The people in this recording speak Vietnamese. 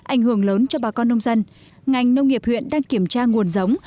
ảnh hưởng lớn cho bà con nông dân ngành nông nghiệp huyện đang kiểm tra nguồn giống